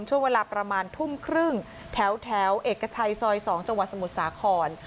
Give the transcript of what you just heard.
ช่วงเวลาประมาณทุ่มครึ่งแถวเอกชัยซอย๒จังหวัดสมุทรสาคร